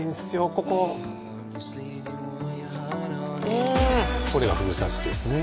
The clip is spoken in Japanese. こここれがふぐ刺ですね